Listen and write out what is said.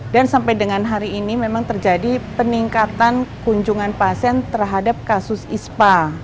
dan sampai dengan hari ini memang terjadi peningkatan kunjungan pasien terhadap kasus ispa